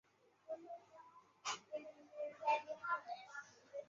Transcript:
锥果石笔木为山茶科石笔木属下的一个种。